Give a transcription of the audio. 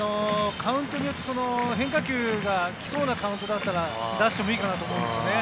カウントによって変化球が来そうだったら出してもいいかなと思いますね。